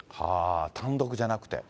単独じゃなくて。